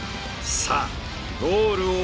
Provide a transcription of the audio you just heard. さあゴール